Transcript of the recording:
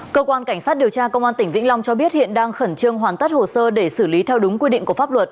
cơ quan cảnh sát điều tra công an tỉnh vĩnh long cho biết hiện đang khẩn trương hoàn tất hồ sơ để xử lý theo đúng quy định của pháp luật